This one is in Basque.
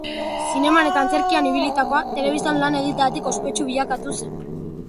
Zineman eta antzerkian ibilitakoa, telebistan lan egiteagatik ospetsu bilakatu zen.